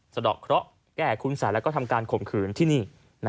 สะดอกเคราะห์แก้คุณสัยแล้วก็ทำการข่มขืนที่นี่